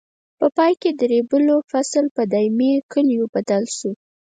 په پای کې د ریبلو فصل په دایمي کلیو بدل شو.